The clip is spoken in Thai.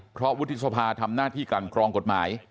เพราะวุฒิสภาทำหน้าที่กันกรองกฎหมาย